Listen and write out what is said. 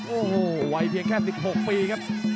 โอ้โหวัยเพียงแค่๑๖ปีครับ